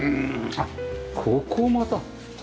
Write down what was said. あっここまた。